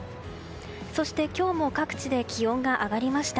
そして今日も各地で気温が上がりました。